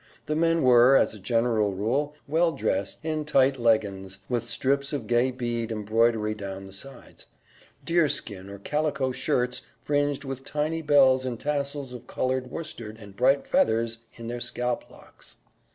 The men were, as a general rule, well dressed in tight leggins, with strips of gay bead embroidery down the sides; deerskin or calico shirts fringed with tiny bells and tassels of colored worsted and bright feathers in their scalp locks.